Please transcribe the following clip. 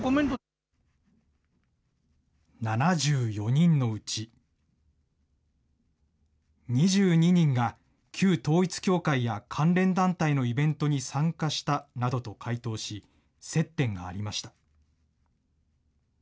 ７４人のうち、２２人が旧統一教会や関連団体のイベントに参加したなどと回答し、接点がありました。